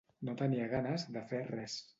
No tenia ganes de fer res.